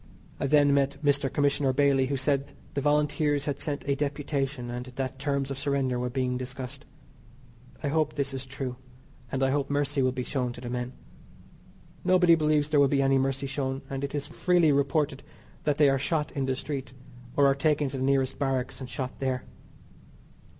I then met Mr. Commissioner Bailey who said the Volunteers had sent a deputation, and that terms of surrender were being discussed. I hope this is true, and I hope mercy will be shown to the men. Nobody believes there will be any mercy shown, and it is freely reported that they are shot in the street, or are taken to the nearest barracks and shot there.